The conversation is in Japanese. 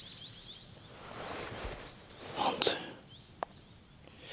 何で？